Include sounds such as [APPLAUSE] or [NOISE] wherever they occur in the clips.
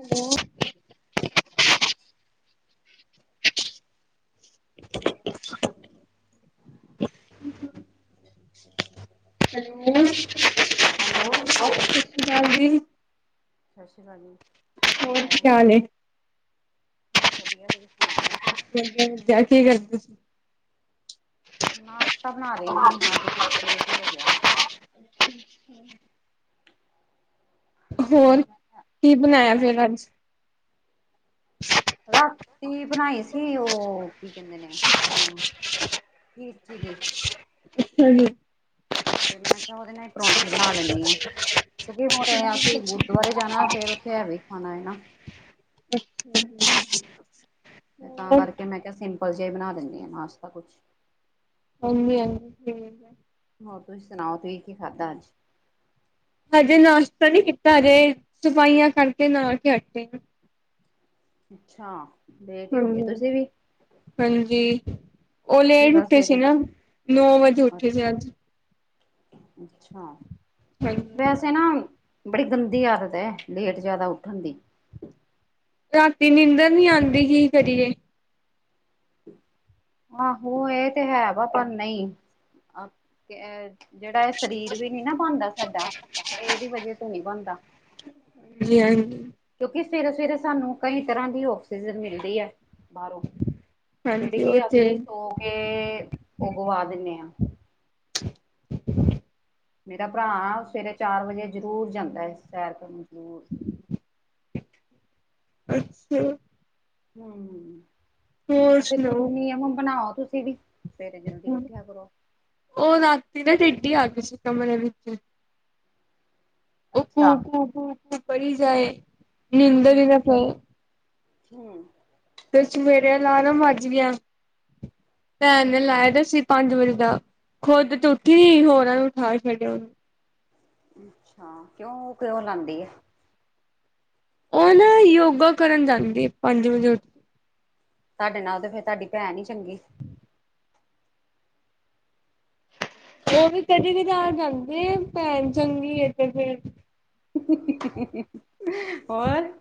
Hello. Hello ਸਤਿ hello ਸ਼੍ਰੀ ਅਕਾਲ ਜੀ। ਸਤਿ ਸ਼੍ਰੀ ਅਕਾਲ, ਜੀ ਕੀ ਹਾਲ ਹੈ, ਬਸ ਵਧੀਆ ਤੁਸੀਂ ਸੁਣਾਓ? [INAUDIBLE] ਕੀ ਕਰਦੇ ਤੁਸੀਂ? ਨਾਸ਼ਤਾ ਬਣਾ ਰਹੇ ਸੀ। ਅੱਜ ਕੁਛ ਲੇਟ ਹੀ ਹੋ ਗਿਆ। ਹੂੰ। ਹੋਰ, ਕੀ ਬਣਾਇਆ ਮੈਂ ਕਿਹਾ ਫੇਰ ਅੱਜ? ਰਾਤੀ ਖ਼ੀਰ ਬਣਾਈ ਸੀ। ਉਹ ਕੀ ਕਹਿੰਦੇ ਨੇ ਹੂ। ਨੀਚੇ ਗਈ। ਅੱਛਾ ਜੀ। ਫਿਰ ਮੈਂ ਕਿਹਾ, ਉਹਦੇ ਨਾਲ ਹੀ ਪਰੌਂਠੇ ਬਣਾ ਦਿੰਦੀ ਆ। ਕਿਉਂਕਿ, ਹੁਣ ਤੇ ਅਸੀਂ ਗੁਰਦੁਆਰੇ ਜਾਣਾ। ਫੇਰ ਉੱਥੇ ਹੈਵੀ ਖਾਣਾ ਐ ਨਾ। ਤੇ ਤਾਂ ਹੋਰ ਕਰਕੇ, ਮੈਂ ਕਿਹਾ ਸਿੰਪਲ ਜਿਹਾ ਬਣਾ ਦਿੰਦੀ ਆ। ਨਾਸ਼ਤਾਂ ਕੁਛ। ਹਾਂਜੀ-ਹਾਂਜੀ ਠੀਕ ਐ। ਹੋਰ ਤੁਸੀਂ ਸੁਣਾਓ, ਤੁਸੀਂ ਕੀ ਖਾਧਾ ਅੱਜ? ਹਜੇ, ਨਾਸ਼ਤਾ ਨਹੀਂ ਕੀਤਾ ਹਜੇ ਸਫਾਈਆਂ ਕਰਕੇ ਨਹਾ ਕੇ ਹਟੀ ਆ। ਅੱਛਾ। ਵਿਹਲੇ ਹੋ ਗਏ ਹਾਂਜੀ ਤੁਸੀਂ ਵੀ? ਹਾਂਜੀ ਉਹ ਕੀ ਲੇਟ ਗੱਲ ਉੱਠੇ ਸੀ ਫੇਰ ਨਾ ਨੌ ਵਜੇ ਉੱਠੇ ਸੀ ਅੱਜ। ਅੱਛਾ। ਨਹੀਂ। ਵੈਸੇ ਨਾ ਬੜੀ ਗੰਦੀ ਆਦਤ ਐ। ਲੇਟ ਜ਼ਿਆਦਾ ਉੱਠਣ ਦੀ। ਰਾਤੀ ਨੀਂਦਰ ਨੀ ਆਉਂਦੀ ਕੀ ਕਰੀਏ? ਆਹੋ! ਇਹ ਤੇ ਹੈ ਵਾ ਪਰ ਨਹੀਂ। ਜਿਹੜਾ ਇਹ ਸਰੀਰ ਵੀ ਨੀ ਨਾ ਬਣਦਾ ਸਾਡਾ। ਇਹਦੀ ਵਜ੍ਹਾ ਤੇ ਨਹੀਂ ਬਣਦਾ। [UNINTELLIGIBLE] ਕਿਉਂਕਿ ਸਵੇਰੇ -ਸਵੇਰੇ ਸਾਨੂੰ ਕਈ ਤਰ੍ਹਾਂ ਦੀ ਆਕਸੀਜਨ ਮਿਲਦੀ ਐ। ਬਾਹਰੋਂ। ਜਿਹੜੀ ਹਾਂਜੀ ਕਿ, ਉਹ ਤੇ ਅਸੀਂ ਸੋ ਕੇ ਉਹ ਗਵਾ ਦਿੰਦੇ ਆ। ਮੇਰਾ ਭਰਾ ਸਵੇਰੇ ਚਾਰ ਵਜੇ ਜ਼ਰੂਰ ਜਾਂਦਾ ਐ। ਸੈਰ ਕਰਨ ਜ਼ਰੂਰ। [INAUDIBLE] ਅੱਛਾ। ਹੂੰ, ਹੋਰ ਅਸੀ ਸੁਣਾਓ ਗੁਨੀ ਹੁਣ ਬਣਾਉ ਤੁਸੀਂ ਵੀ? ਸਵੇਰੇ ਜਲਦੀ ਉਠੇ ਆਪਾ। ਉਹ ਰਾਤੀ ਨਾ ਟਿਡੀ ਆ ਗਈ ਸੀ ਕਮਰੇ ਵਿੱਚ। ਉਹ ਅੱਛਾ ਕੂਕੂ- ਕੂਕੂ-ਕੂਕੂ ਕਰੀ ਜਾਏ। ਨੀਦਰ ਹੀ ਨਾ ਪਈ। ਹੂੰ ਤੇ ਸਵੇੇਰੇ ਅਲਾਰਮ ਵੱਜ ਗਿਆਂ। ਭੈਣ ਨੇ ਲਾਇਆ ਦਾ ਸੀ। ਪੰਜ ਵਜੇ ਦਾ ਖੁੱਦ ਤੇ ਉੱਠੀ ਹੋਰਾਂ ਨੂੰ ਉਠਾ ਛੱਡਿਆ। ਉਹਨੇ ਤਾਂ। ਅੱਛਾ ਕਿਉਂ, ਉਹ ਕਿਉ, ਲਾਉਂਦੀ ਐ। ਉਹ ਨਾ ਯੋਗਾ ਕਰਨ ਜਾਂਦੀ ਪੰਜ ਵਜੇ ਉੱਠ ਕੇ। ਤੁਹਾਡੇ ਨਾਲੋਂ ਤੇ ਫਿਰ, ਤੁਹਾਡੀ ਭੈਣ ਹੀ ਚੰਗੀ। ਉਹ ਵੀ ਕਦੇ ਕਦਾਰ ਜਾਂਦੀ ਆ। ਭੈਣ ਚੰਗੀ ਤੇ ਫਿਰ ਹੋਰ?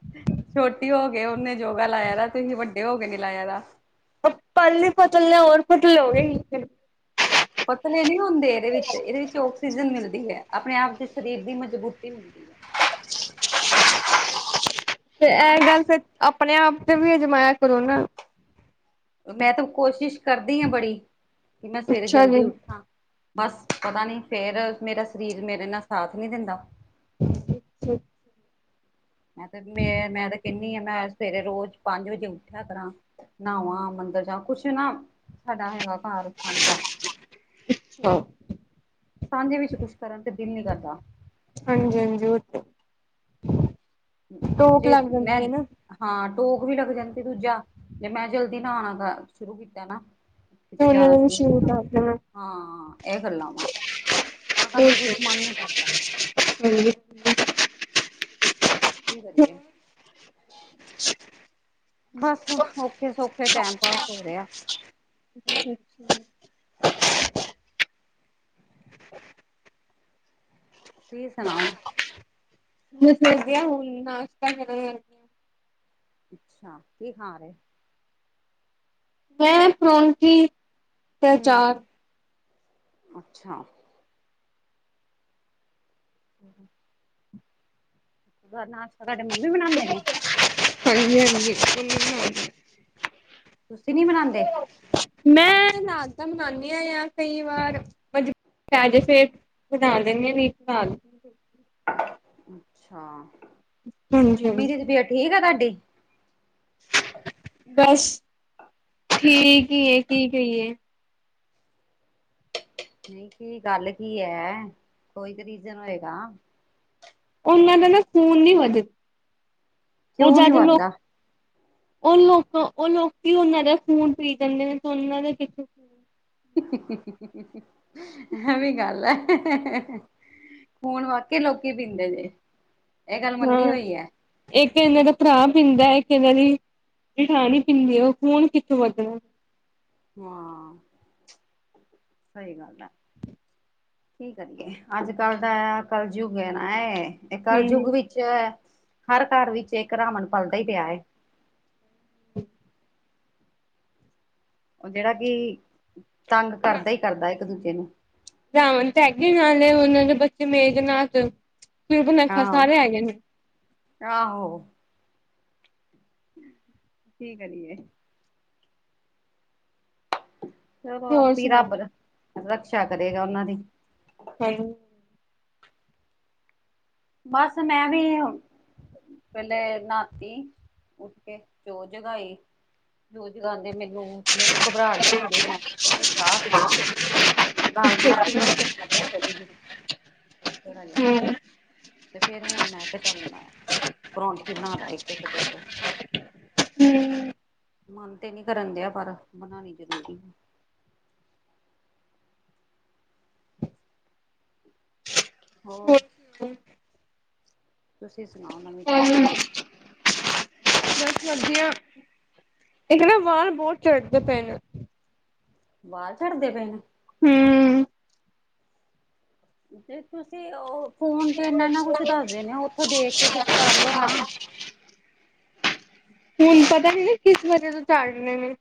ਛੋਟੀ ਹੋਕੇ ਉਹਨੇ ਯੋਗਾ ਲਾਇਆ ਦਾ। ਤੁਸੀਂ ਵੱਡੇ ਹੋ ਕੇ ਨੀ ਲਾਇਆ ਦਾ। ਉਹ ਪਹਲੇ ਹੀ ਪਤਲੇ ਹੋਰ ਪਤਲੇ ਹੋ ਗਏ। ਪਤਲੇ ਨਹੀਂ ਹੁੰਦੇ ਇਹਦੇ ਵਿੱਚ ਇਹਦੇ ਵਿੱਚ ਆਕਸੀਜਨ ਮਿਲਦੀ ਐ। ਆਪਣੇ ਆਪ ਦੇ ਸਰੀਰ ਦੀ ਮਜਬੂਤੀ ਮਿਲਦੀ ਐ। [UNINTELLIGIBLE] ਫਿਰ ਇਹ ਗੱਲ ਤੇ, ਆਪਣੇ ਆਪ ਤੇ ਵੀ ਅਜਮਾਇਆ ਕਰੋ ਨਾ। ਮੈਂ ਤਾਂ ਕੋਸ਼ਿਸ਼ ਕਰਦੀ ਆ ਬੜੀ, ਕਿ ਮੈਂ ਸਵੇਰੇ ਅੱਛਾ ਜੀ ਜਲਦੀ ਉੱਠਾਂ। ਬਸ ਪਤਾ ਨੀ ਫੇਰ, ਮੇਰਾ ਸਰੀਰ ਮੇਰੇ ਨਾਲ ਸਾਥ ਨਹੀਂ ਦਿੰਦਾ। ਅੱਛਾ। ਮੈਂ ਤੇ ਮੈਂ, ਮੈਂ ਤੇ ਕਹਿੰਨੀ ਆ ਮੈਂ ਅੱਜ। ਸਵੇਰੇ ਰੋਜ਼ ਪੰਜ ਵਜੇ ਉੱਠਿਆ ਕਰਾਂ। ਨਹਾਵਾਂ ਮੰਦਿਰ ਜਾਂਵਾ ਕੁਛ ਨਾ। ਸਾਡਾ ਹੈਗਾ ਘਰ ਸਾਂਝਾ। ਅੱਛਾ ਸਾਂਝੇ ਵਿੱਚ ਕੁਛ ਕਰਨ ਤੇ ਦਿਲ ਨਹੀਂ ਕਰਦਾ। ਹਾਂਜੀ, ਹਾਂਜੀ, ਉਹ ਟੋਕ ਜੇ ਲੱਗ ਮੈਂ ਜਾਂਦੀ ਹੈ ਨਾ। ਹਾਂ, ਟੋਕ ਵੀ ਲੱਗ ਜਾਂਦੀ, ਦੂਜਾ ਜੇ ਮੈਂ ਜਲਦੀ ਨਹਾਉਣਾ ਸ਼ੁਰੂ ਕੀਤਾ ਨਾ। ਕਿਤੇ ਉਹਨਾਂ ਜਾਣਾ ਨੂੰ ਸ਼ੁਰੂ ਕੀਤਾ ਕਰ ਦੇਣਾ ਹਾਂ ਇਹ ਗੱਲਾਂ ਵਾ। ਤਾਂ ਕਰਕੇ ਕੁਛ ਮਨ ਨਹੀਂ ਕਰਦਾ। ਹਾਂ ਜੀ। ਕੀ ਕਰੀਏ? ਬਸ ਔਖੇ ਸੌਖੇ ਟਾਈਮ ਪਾਸ ਹੋ ਰਿਹਾ। । [UNINTELLIGIBLE] [INAUDIBLE] ਤੁਸੀ ਸੁਣਾਓ? ਜਦੋਂ ਉੱਠਦੀ ਆ ਹੁਣ ਨਾਸ਼ਤਾ ਕਰਨ। ਹਾਂ ਅੱਛਾ, ਕੀ ਖਾ ਰਹੇ? ਮੈਂ ਪਰੌਂਠੀ। ਤੇ ਹੂੰ ਅਚਾਰ ਅੱਛਾ। ਘਰ ਨਾਸ਼ਤਾ ਤੁਹਾਡੇ ਮੰਮੀ ਬਣਾਉਂਦੇ ਨੇ? ਹਾਂਜੀ ਹਾਂਜੀ, ਉਨੀ, ਵੀ ਹੈਗੀ ਐਂ। ਤੁਸੀਂ ਨੀ ਬਣਾਉਂਦੇ? ਮੈਂ ਬਣਾਉਂਦੀ ਆ ਜਾਂ ਕਈ ਵਾਰ ਮਜਬੂਰੀ ਪੈ ਜੇ ਫਿਰ। ਦਗ ਵਟ ਆ [UNINTELLIGIBLE] [INAUDIBLE] ਅੱਛਾ, ਮੰਮੀ ਦੀ ਹਾਂਜੀ ਤਬੀਅਤ ਠੀਕ ਆ ਤੁਹਾਡੀ? ਬਸ ਠੀਕ ਹੀ ਹੈ। ਕੀ ਕਹੀਏ? ਨਹੀਂ ਕੀ ਗੱਲ ਕੀ ਹੈ। ਕੋਈ ਤੇ ਰੀਜ਼ਨ ਹੋਏਗਾ? ਉਹਨਾਂ ਦਾ ਨਾ ਖੂਨ ਨੀ ਵਧਦਾ। ਉਹ ਕਿਉਂ ਨੀ ਜਦ ਲੋਕ ਵੱਧਦਾ ਉਹ ਲੋਕ, ਉਹ ਲੋਕੀ, ਉਹਨਾਂ ਦਾ ਖੂਨ ਪੀ ਜਾਂਦੇ ਨੇ। ਤੇ ਉਹਨਾਂ ਦਾ ਕਿਥੋ ਐਵੇਂ ਗੱਲ ਹੈ। ਖੂਨ ਵਾਕਈ ਲੋਕੀ ਪੀਂਦੇ ਨੇ। ਇਹ ਗੱਲ ਮੰਨੀ ਹਾਂ ਹੋਈ ਹੈ। ਇੱਕ ਇਹਨਾਂ ਦਾ ਭਰਾ ਪੀਂਦਾ। ਇੱਕ ਇਹਨਾਂ ਦੀ ਜਠਾਣੀ ਪੀਂਦੀ। ਉਹ ਖੂਨ ਕਿੱਥੋਂ ਵੱਧਣਾ। ਹਾਂ ਸਹੀ ਗੱਲ ਆ। ਕੀ ਕਰੀਏ। ਅੱਜ ਕੱਲ੍ਹ ਦਾ ਕਲਯੁੱਗ ਹੈ। ਨਾ ਇੱਹ ਹਾਂਜੀ ਕੱਲਯੁੱਗ ਵਿੱਚ ਏ। ਹਰ ਘਰ ਵਿੱਚ ਇੱਕ ਰਾਵਣ ਪਲਦਾ ਹੀ ਪਿਆ ਹੈ। [INAUDIBLE] [UNINTELLIGIBLE] ਉਹ ਜਿਹੜਾ ਕਿ ਤੰਗ ਕਰਦਾ ਹੀ ਕਰਦਾ, ਇੱਕ, ਦੂਜੇ ਨੂੰ ਰਾਵਣ ਤੇ ਹੈਗੇ ਨਾਲੇ ਉਹਨਾਂ ਦੇ ਬੱਚੇ ਮੇਘਨਾਥ, ਸੁਬਨਖਾ ਆਹੋ ਸਾਰੇ ਹੈਗੇ ਨੇ। ਆਹੋ। ਕੀ ਕਰੀਏ! ਚਲੋ, ਹੋਰ ਆਪ ਹੀ ਸੁਣਾਓ ਰੱਬ ਰਕਸ਼ਾ ਕਰੇਗਾ। ਉਹਨਾਂ ਦੀ ਹਾਂ ਬਸ ਮੈਂ ਵੀ ਪਹਿਲੇ ਨਹਾਤੀ। ਉੱਠ ਕੇ ਜੋ ਜਗਾਈ, ਜੋ ਜਗਾਉਂਦੇ ਮੈਨੂੰ ਮੈਨੂੰ ਘਬਰਾਟ ਵੀ ਹੋਣ ਦੀ ਮੈਂ ਤੇ ਪਹਿਲੇ ਚਾਹ ਪੀਤੀ। ਨਾਲ ਬਿਸਕੁਟ, ਬਾਸਕੁਟ ਅੱਧਾਂ ਥੋੜੀ ਜ ਥੋੜਾ ਜਿਹਾ ਤੇ ਫੇਿਰ ਹੁਣ ਮੈਂ ਕਿ ਕਰਨਾ। ਪਰੌਠੀ ਬਣਾਦਾ ਇੱਕ-ਇੱਕ, ਦੋ-ਦੋ ਹਮ ਮਨ ਤੇ ਨਹੀ ਕਰਨ ਦਿਆ ਪਰ। ਬਣਾਉਣੀ ਜ਼ਰੂਰੀ ਹੈ। ਹੋਰ। ਹਮ। ਤੁਸੀਂ ਸੁਣਾਓ ਨਵੀ ਤਾਜੀ? ਬੱਸ ਵਧੀਆ। ਇੱਕ ਨਾ ਵਾਲ ਬਹੁਤ ਚੜਦੇ ਪਏ ਨੇ? ਵਾਲ ਛੱਡਦੇ ਪਏ ਨੇ? ਹਮਮ। ਜੇ ਤੁਸੀਂ ਉਹ ਫੋਨ ਚ ਇਨਾ ਇਨਾ ਕੁਛ ਦੱਸਦੇ ਨੇ। ਉੱਥੋਂ ਦੇਖ ਕੇ ਕੁਛ ਕਰਲੋ ਨਾ। ਹੁਣ ਪਤਾ ਨਹੀਂ ਨਾ ਕਿਸ ਵਜੇ ਤੋਂ ਚਾੜ ਰਹੇ ਨੇ।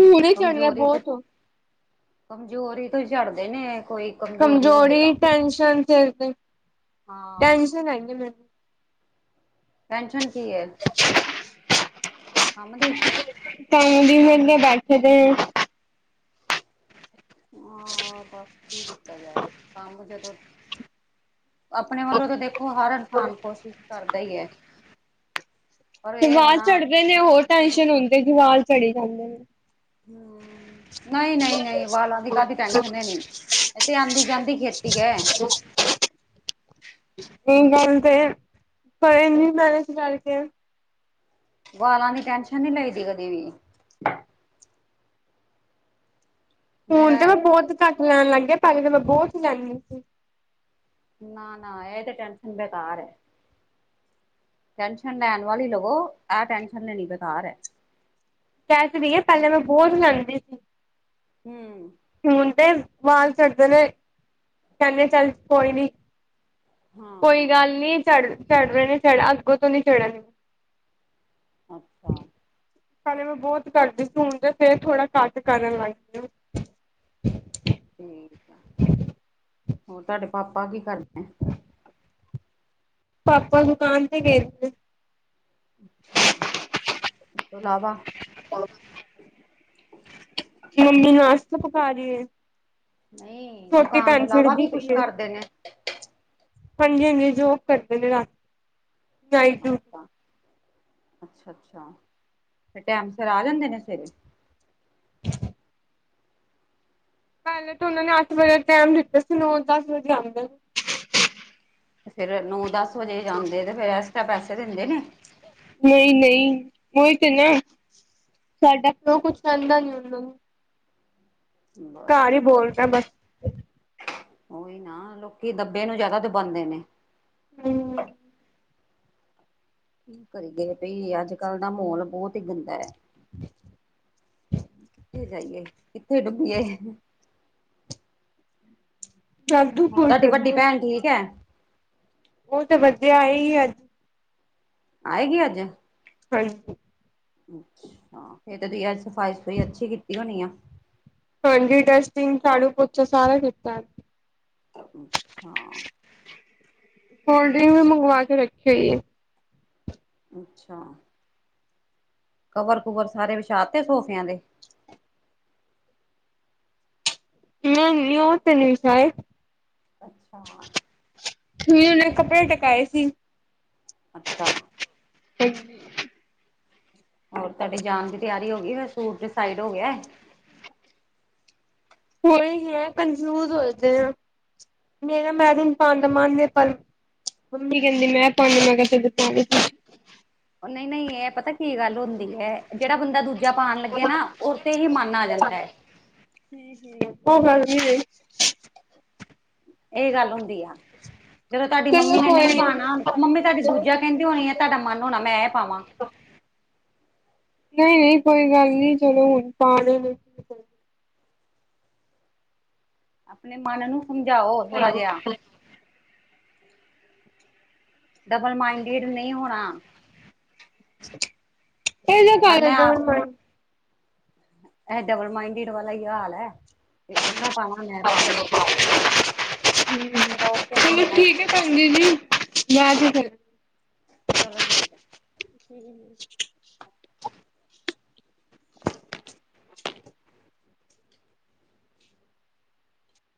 ਹੁਣੇ ਝੜ ਰਿਹਾ ਕਮਜ਼ੋਰੀ, ਤੇ ਬਹੁਤ ਕਮਜ਼ੋਰੀ ਤੋਂ ਹੀ ਝੜਦੇ ਨੇ ਏਹ ਕੋਈ। ਹੋਵੇ ਕਮਜ਼ੋਰੀ, ਤਾਂ ਟੈਨਸ਼ਨ ਸਿਰ ਤੇ ਹਾਂ ਟੈਨਸ਼ਨ ਹੈਗੀ ਮੈਨੂੰ। ਟੈਨਸ਼ਨ ਕੀ ਹੈ, ਕੰਮ ਦੀ? ਤਾਂਹੀ ਦੀ ਵੇਲੇ ਬੈਠੇ ਦੇ ਹਾਂ ਬਸ ਕੀ ਕੀਤਾ ਜਾਏ। ਕੰਮ ਜਦੋਂ ਆਪਣੇ ਵੱਲੋਂ ਤਾਂ ਦੇਖੋ ਹਰ ਇਨਸਾਨ ਕੋਸ਼ਿਸ਼ ਕਰਦਾ ਹੀ ਹੈ। ਪਰ ਤੇ ਇਹ ਵਾਲ ਵਣਾ ਚੜ੍ਹਦੇ ਨੇ ਹੋਰ ਟੈੈਂਨਸ਼ਨ ਹੁੰਦੀ, ਜੇ ਵਾਲ ਚੜੀ ਜਾਂਦੇ ਨੇ। ਹਮਮ। ਨਹੀਂ-ਨਹੀਂ-ਨਹੀਂ ਵਾਲਾਂ ਦੀ ਕਾਹਦੀ ਟੈਨਸ਼ਨ ਲੇਨੀ? ਇਹ ਤੇ ਆਉਂਦੀ ਜਾਂਦੀ ਖੇਤੀ ਹੈ। ਹ ਇਹ ਗੱਲ ਤੇ ਕੋਈ ਨੀ ਮੈ ਇਸ ਕਰਕੇ ਵਾਲਾਂ ਦੀ ਟੈਨਸ਼ਨ ਨੀ ਲਈ ਦੀ ਕਦੇ ਵੀ। ਹੁਣ ਮੇਰਾ ਤੇ ਮੈਂ ਬਹੁਤ ਘੱਟ ਲੈਣ ਲੱਗ। ਪਹਿਲੇ ਤਾਂ ਮੈਂ ਬਹੁਤ ਲੈਂਦੀ ਸੀ। ਨਾ, ਨਾ ਏ ਤੇ ਟੈਨਸ਼ਨ ਬੇਕਾਰ ਏ। ਟੈਨਸ਼ਨ ਲੈਣ ਵਾਲੀ ਲਵੋ। ਇਹ ਟੈਨਸ਼ਨ ਲੈਣੀ ਬੇਕਾਰ ਹੈ। ਕਹਿ ਤੇ ਰਈਏ ਪਹਿਲਾਂ ਮੈਂ ਬਹੁਤ ਲਾਂਉਦੀ ਸੀ। ਹਮਮ। ਹੁਣ ਤੇ ਵਾਲ ਝੜਦੇ ਨੇ। ਕਹਿੰਦੇ ਚੱਲ ਕੋਈ ਨੀ। ਕੋਈ ਹਾਂ ਗੱਲ ਨਹੀਂ। ਚੜ-ਚੜ ਰਹੇ ਨੇ ਚੜ ਅੱਗੋਂ ਤੋਂ ਨੀ ਚੜ੍ਹਨ ਅੱਛਾ। ਪਹਿਲੇ ਮੈਂ ਬਹੁਤ ਕਰਦੀ ਸੀ, ਹੁਣ ਤੇ ਫੇਰ ਥੋੜਾ ਘੱਟ ਕਰਨ ਲੱਗ ਗਈ ਹਾਂ। ਠੀਕ ਆ ਹੋਰ ਤੁਹਾਡੇ ਪਾਪਾ ਕੀ ਕਰਦੇ ਹੈ? ਪਾਪਾ ਦੁਕਾਨ ਤੇ ਗਏ ਦੇ ਨੇ। ਅੱਛਾ ਇਸ ਤੋਂ ਇਲਾਵਾ ਮੰਮੀ ਨਾਸਤਾ ਪਕਾ ਰਹੀ ਹੈ। ਨਹੀਂ, ਦੁਕਾਨ ਤੋਂ ਇਲਾਵਾ ਚਿੜਦੀ ਵੀ ਪਈ ਕੁਛ ਏ। ਕਰਦੇ ਨੇ? ਹਾਂਜੀ-ਹਾਂਜੀ ਜੋਬ ਕਰਦੇ ਨੇ ਰਾਤੀ। Night duty. ਅੱਛਾ-ਅੱਛਾ। ਫੇਰ ਟਾਈਮ ਸਿਰ ਆ ਜਾਂਦੇ ਨੇ ਸਵੇਰੇ? ਪਹਿਲੇ ਤਾਂ ਉਹਨਾਂ ਨੇ ਅੱਠ ਵਜੇ ਟਾਈਮ ਦਿੱਤਾ ਸੀ। ਨੋ ਦਸ ਵਜੇ ਆਨਦੇ ਨੇ। ਫੇਰ ਨੌ ਦਸ ਵਜੇ ਜਾਂਦੇ ਤੇ, ਫੇਰ ਐਕਸਟਰਾ ਪੈਸੇ ਦਿੰਦੇ ਨੇ? ਨਹੀਂ-ਨਹੀਂ ਉਹੀ ਤੇ ਨਾ। ਸਾਡਾ ਪਿਓ ਕੁਛ ਕਹਿੰਦਾ ਨੀ ਉਹਨਾਂ ਨੂੰ। ਬਸ ਘਰ ਹੀ ਬੋਲਦਾ ਬਸ ਉਹੀ ਨਾ ਲੋਕੀ ਦੱਬੇ ਨੂੰ ਜਿਆਦਾ ਦਬਾਉਂਦੇ ਨੇ। ਹਮਮ। ਕਿ ਕਰੀਏ ਭਈ, ਅੱਜ ਕੱਲ੍ਹ ਦਾ ਮਾਹੌਲ ਬਹੁਤ ਹੀ ਗੰਦਾ ਹੈ। [INAUDIBLE] ਕਿੱਥੇ ਜਾਈਏ, ਕਿੱਥੇ ਡੁੱਬੀਏ। ਹ ਹ ਜਾਦੂ ਟੂਰ ਤੁਹਾਡੀ ਚੱਲੀ ਵੱਡੀ ਓ ਭੈਣ ਠੀਕ ਹੈ? ਉਹ ਤਾਂ ਵਧੀਆ, ਆਈ ਹੀ ਅੱਜ। ਆਏਗੀ ਅੱਜ? ਹਾਂਜੀ। ਅੱਛਾ, ਫੇਰ ਤਾਂ ਤੁਸੀ ਅਜ ਸਫ਼ਾਈ ਸੁਫਾਈ ਅੱਛੀ ਕੀਤੀ ਹੋਣੀ ਆ। ਹਾਂਜੀ ਡਸਟਿੰਗ ਝਾੜੂ ਪੋਚਾ ਸਾਰਾ ਕੀਤਾ ਹੈ ਅੱਛਾ। ਕੋਲਡ ਡਰਿੰਕ ਵੀ ਮੰਗਵਾ ਕੇ ਰੱਖੀ ਹੋਈ ਹੈ। ਅੱਛਾ, ਕਵਰ ਕੁਵਰ ਸਾਰੇ ਵਿਛਾਤੇ ਸੋਫਿਆਂ ਦੇ? ਹਮਮ, ਨਿਊ ਤੇ ਨਹੀਂ ਵਿਛਾਐ। ਅੱਛਾ ਹੁਣੇ ਉਹਨਾਂ ਨੇ ਕੱਪੜੇ ਟਕਾਏ ਸੀ। ਅੱਛਾ। ਹਾਂਜੀ ਹੋਰ ਤੁਹਾਂਡੇ ਜਾਣ ਦੀ ਤਿਆਰੀ ਹੋ ਗਈ ਫੇਰ ਸੂਟ ਡੀਸਾਈਡ ਹੋ ਗਿਆ ਐ। ਹੋ ਈ ਗਿਆ ਕਨਫਿਊਜ਼ ਹੋਏ ਦੇ ਆਂ। ਮੇਰਾ ਮਹਿਰੂਨ ਪਾਣ ਦਾ ਮਨ ਏ ਪਰ। ਮੰਮੀ ਕਹਿੰਦੀ ਮੈਂ ਪਾਣਾ ਮੈਂ ਕਿਆ ਚਲੋ ਪਾ ਲੋ ਤੁਸੀ। ਓ ਨਈ ਨਈ ਏ ਪਤਾ ਕੀ ਗੱਲ ਹੁੰਦੀ ਐ? ਜਿਹੜਾ ਬੰਦਾ ਦੂਜਾ ਪਾਣ ਲੱਗੇ ਨਾ ਉਹ ਤੇ ਈ ਮਨ ਆ ਜਾਂਦਾ ਏ। -ਓ ਗੱਲ ਨੀ ਰਈ। ਏ ਗੱਲ ਹੁੰਦੀ ਆ। ਜਦੋਂ ਤਾਡੀ ਮੰਮੀ ਚਲੋ ਨੇ ਨਈ ਕੋਈ ਨੀ ਪਾਣਾ ਮੰਮੀ ਤਹਾਂਡੀ ਦੂਜਾ- ਕਹਿੰਦੀ ਹੋਣੀ ਆ, ਤੁਹਾਡਾ ਮਨ ਹੋਣਾ ਮੈਂ ਪਾਵਾਂ। ਨਹੀਂ ਨਹੀਂ ਕੋਈ ਗੱਲ ਨਹੀਂ, ਚਲੋ ਹੁਣ ਪਾ ਲੇਵੇ। ਆਪਣੇ ਮਨ ਨੂੰ ਸਮਝਾਓ ਥੋੜਾ ਜਿਆ। ਡਬਲ ਮਾਈਂਡਿਡ ਨਹੀਂ ਹੋਣਾ। ਏਦਾ ਕਾਦਾ ਡਬਲ ਮਾਇੰਡ। ਐ ਡਬਲ ਮਾਈਂਡਿੰਡ ਵਲਾ ਈ ਹਾਲ ਹੈ। ਤੇ ਓਨਾਂ ਪਾਵਾਂ ਮੈਂ ਪਾਵਾਂ। [UNINTELLIGIBLE] ਹਮ ਮੇਰਾ ਉਸ ਤੇ ਚਲੋ ਮਨ ਠੀਕ ਹੈ ਭੈਣ ਜੀ ਬਾਹਰ ਚ ਕਰਦੀ ਆਂ। ਚਲੋ ਠੀਕ ਐ।